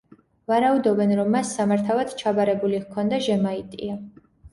ვარაუდობენ, რომ მას სამართავად ჩაბარებული ჰქონდა ჟემაიტია.